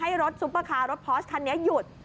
รถซุปเปอร์คาร์รถพอร์สคันนี้หยุด